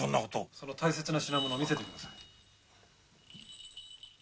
その大切な品物を見せてください。